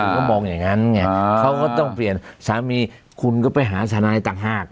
ก็มองอย่างนั้นไงเขาก็ต้องเปลี่ยนสามีคุณก็ไปหาทนายต่างหาก